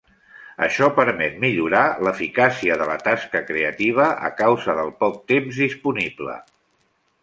Això permet millorar l'eficàcia de la tasca creativa a causa del poc temps disponible.